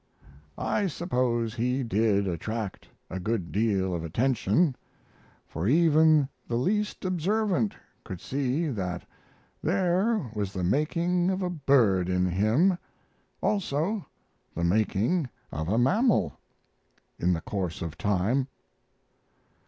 I suppose he did attract a good deal of attention, for even the least observant could see that there was the making of a bird in him, also the making of a mammal, in the course of time.